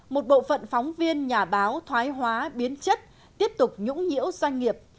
một bộ phận phóng viên nhà báo thoái hóa biến chất tiếp tục nhũng nhiễu doanh nghiệp